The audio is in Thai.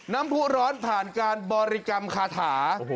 ผู้ร้อนผ่านการบริกรรมคาถา